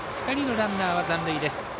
２人のランナーは残塁です。